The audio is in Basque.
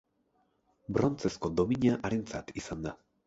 Brontzezko domina harentzat izan da.